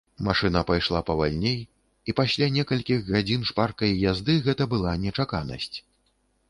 Машына пайшла павальней, і пасля некалькіх гадзін шпаркай язды гэта была нечаканасць.